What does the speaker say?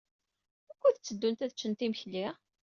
Wukud tteddunt ad ččent imekli?